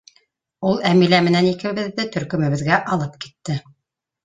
Ул Әмилә менән икебеҙҙе төркөмөбөҙгә алып китте.